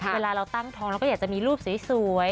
เวลาเราตั้งทองเราก็อยากจะมีรูปสวย